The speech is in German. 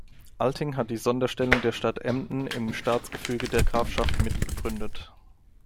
Alting hat die Sonderstellung der Stadt Emden im Staatsgefüge der Grafschaft mitbegründet.